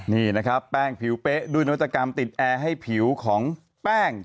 นี่นะครับแป้งผิวเป๊ะด้วยนวัตกรรมติดแอร์ให้ผิวของแป้ง